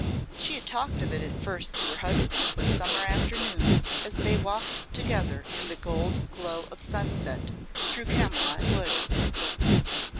She had talked of it first to her husband one summer afternoon as they walked together in the gold glow of sunset through Camylott Woods.